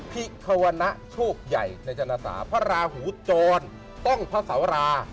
พิหวนะโชคใหญ่ในจรภาราหูคนต้องพระสารา